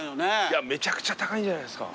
めちゃくちゃ高いんじゃないですか？